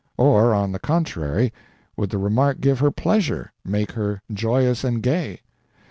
or, on the contrary, would the remark give her pleasure, make her joyous and gay?